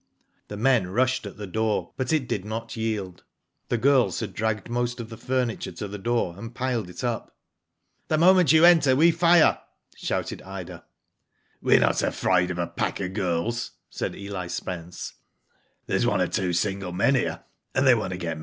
The men rushed at the door, but it did not yield. The girls had dragged most of the furniture to the door, and piled it up. "The moment you enter, we fire!" shouted Ida. "We're not afraid of a pack of girls," said Eli Spence* "There's one or two single men here, and they want to get